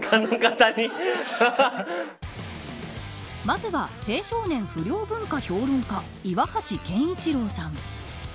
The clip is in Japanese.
まずは青少年不良文化評論家岩橋健一郎さん。